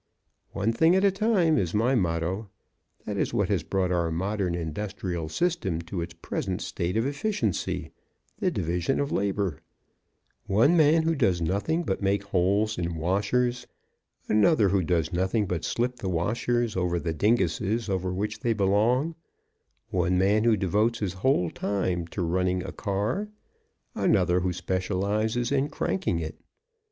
'One thing at a time' is my motto. That is what has brought our modern industrial system to its present state of efficiency: the Division of Labor one man who does nothing but make holes in washers, another who does nothing but slip the washers over the dinguses over which they belong; one man who devotes his whole time to running a car, another who specializes in cranking it.